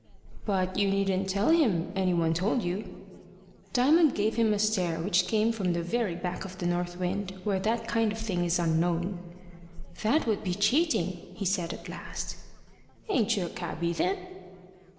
"But you needn't tell him any one told you." Diamond gave him a stare which came from the very back of the north wind, where that kind of thing is unknown. "That would be cheating," he said at last. "Ain't you a cabby, then?"